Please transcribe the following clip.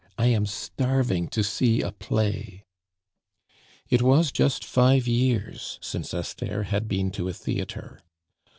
I am starving to see a play." It was just five years since Esther had been to a theatre.